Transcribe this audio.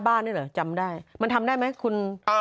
บ้านนี่เหรอจำได้มันทำได้ไหมคุณ